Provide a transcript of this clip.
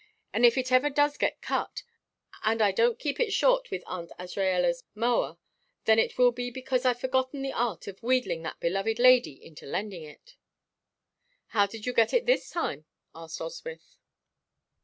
And if it ever does get cut, and I don't keep it short with Aunt Azraella's mower, then it will be because I've forgotten the art of wheedling that beloved lady into lending it." "How did you get it this time?" asked Oswyth.